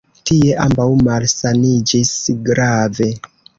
Tie ambaŭ malsaniĝis grave.